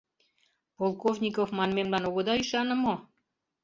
— Полковников манмемлан огыда ӱшане мо?